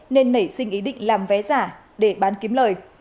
nên nảy sinh ý định làm vé giả để bán kiếm lời